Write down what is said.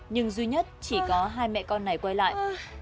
nhưng duy nhất chỉ có hai mẹ con này quay lại